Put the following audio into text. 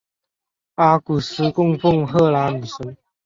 阿古斯供奉赫拉女神。